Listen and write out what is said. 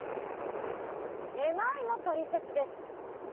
「めまい」のトリセツです！